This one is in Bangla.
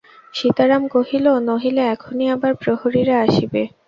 সীতারাম কহিল, নহিলে এখনই আবার প্রহরীরা আসিবে।